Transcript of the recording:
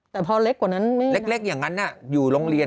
แต่พอเล็กกว่านั้นไม่นะนะครับอย่างนั้นอยู่โรงเรียน